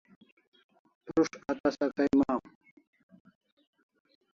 Prus't a tasa kay mam